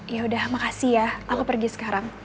yaudah makasih ya aku pergi sekarang